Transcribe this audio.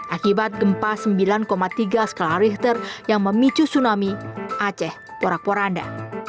akibat gempa sembilan tiga skala richter yang memicu tsunami aceh porak poranda